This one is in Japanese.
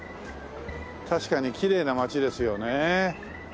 確かにきれいな町ですよね。